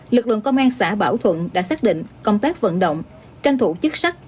lực lượng công an xã bảo thuận đã xác định công tác vận động tranh thủ chức sắc